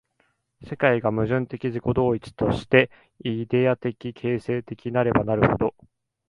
世界が矛盾的自己同一として、イデヤ的形成的なればなるほど、